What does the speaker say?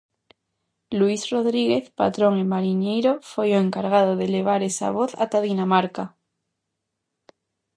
Luís Rodríguez, patrón e mariñeiro, foi o encargado de levar esa voz ata Dinamarca.